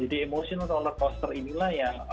jadi emotional roller coaster inilah yang